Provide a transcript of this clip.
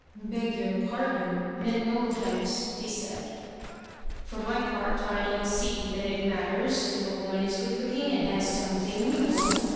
" Beg your pardon — ^meant no offence," he said, ^ For my part, I don't see that it matters, if a woman is good looking and has something, you know.